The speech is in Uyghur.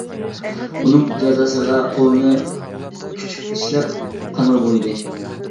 ئۇنىڭ جازاسىغا قولىنى كۈچۈك چىشلەپ، قانغا بويىدى.